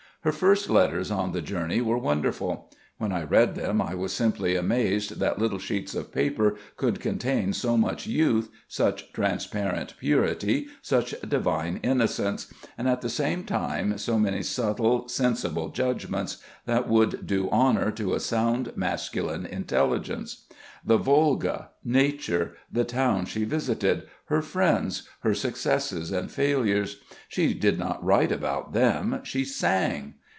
Her first letters on the journey were wonderful. When I read them I was simply amazed that little sheets of paper could contain so much youth, such transparent purity, such divine innocence, and at the same time so many subtle, sensible judgments, that would do honour to a sound masculine intelligence. The Volga, nature, the towns she visited, her friends, her successes and failures she did not write about them, she sang.